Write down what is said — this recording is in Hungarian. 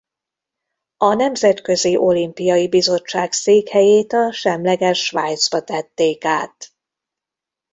A Nemzetközi Olimpiai Bizottság székhelyét a semleges Svájcba tették át.